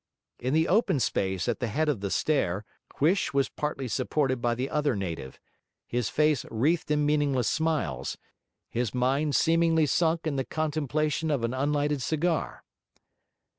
In the open space at the head of the stair, Huish was partly supported by the other native; his face wreathed in meaningless smiles, his mind seemingly sunk in the contemplation of an unlighted cigar.